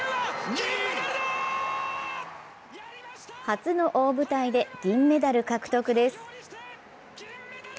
初の大舞台で銀メダル獲得です。